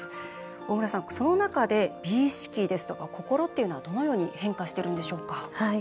大村さんその中で美意識ですとか心はどのように変化しているんでしょうか？